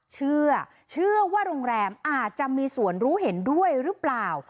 เชื่อว่าโรงแรมอาจจะมีส่วนรู้เห็นด้วยหรือเปล่า